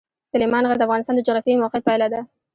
سلیمان غر د افغانستان د جغرافیایي موقیعت پایله ده.